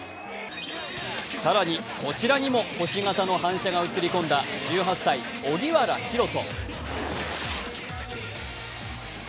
更にこちらにも星形の反射が映り込んだ１８歳、荻原大翔。